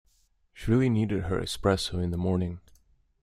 She really needed her espresso in the morning.